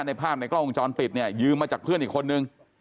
ในภาพในกล้องวงจรปิดเนี่ยยืมมาจากเพื่อนอีกคนนึง